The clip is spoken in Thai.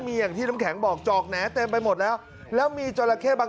มีอย่างที่น้ำแข็งบอกจอกแหน่เต็มไปหมดแล้วแล้วมีจราเข้บาง